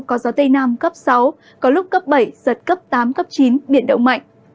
có gió tây nam cấp sáu có lúc cấp bảy giật cấp tám cấp chín biển động mạnh